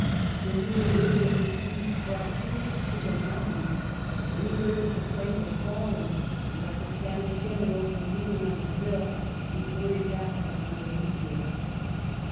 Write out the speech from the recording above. The mere wind of the siege brought Soult through the moun tains, but when he heard that the place had fallen and that the Spanish Generals were moving on Seville, he hurried back to Andalusia.